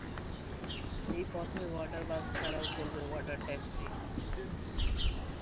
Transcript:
এই পথে water bus ছাড়াও চলবে ওয়াটার ট্যাক্সি।